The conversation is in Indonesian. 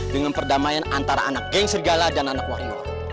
dengan perdamaian antara anak geng serigala dan anak warior